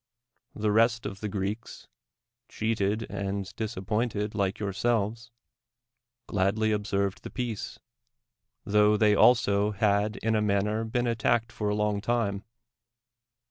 The rest of the Greeks, cheated and disappointed like your selves, gladly observed the peace, tho they also had in a manner been attacked for a long time.